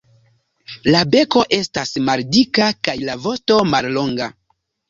La beko estas maldika kaj la vosto mallonga.